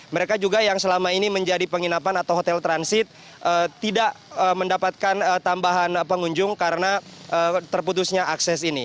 mereka juga yang selama ini menjadi penginapan atau hotel transit tidak mendapatkan tambahan pengunjung karena terputusnya akses ini